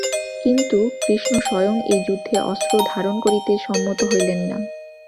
কিন্ত কৃষ্ণ স্বয়ং এই যুদ্ধে অস্ত্রধারণ করিতে সম্মত হইলেন না।